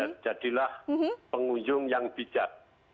dan jadilah pengunjung yang bijak